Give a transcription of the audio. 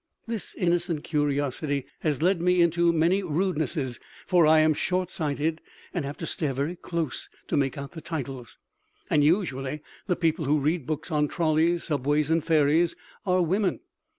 This innocent curiosity has led me into many rudenesses, for I am short sighted and have to stare very close to make out the titles. And usually the people who read books on trolleys, subways and ferries are women.